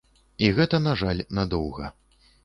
І гэта, на жаль, надоўга.